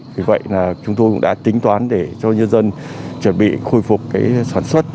vì vậy chúng tôi cũng đã tính toán để cho nhân dân chuẩn bị khôi phục sản xuất